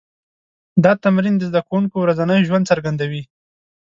دا تمرین د زده کوونکو ورځنی ژوند څرګندوي.